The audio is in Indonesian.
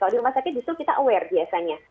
kalau di rumah sakit justru kita aware biasanya